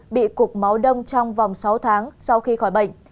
bị cục máu đông trong vòng sáu tháng sau khi khỏi bệnh